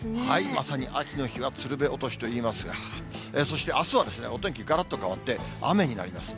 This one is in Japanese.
まさに秋の日はつるべ落としといいますが、そしてあすはお天気がらっと変わって、雨になります。